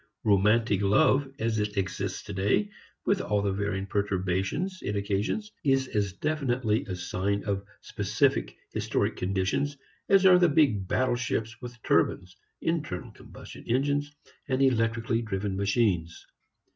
Romantic love as it exists today, with all the varying perturbations it occasions, is as definitely a sign of specific historic conditions as are big battle ships with turbines, internal combustion engines, and electrically driven machines.